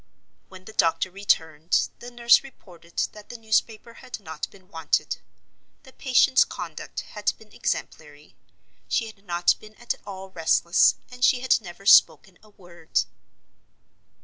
When the doctor returned, the nurse reported that the newspaper had not been wanted. The patient's conduct had been exemplary. She had not been at all restless, and she had never spoken a word.